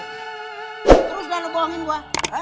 terus dah lo bohongin gue